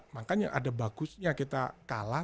makanya ada bagusnya kita kalah